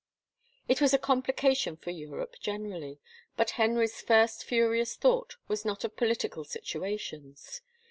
It was a complication for Europe generally, but Henry's first furious thought was not of political situa tions.